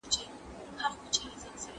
توزیع د توکو عادلانه ویش هڅه کوي.